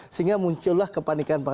sehingga muncullah kepanikan